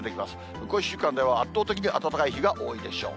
向こう１週間では、圧倒的に暖かい日が多いでしょう。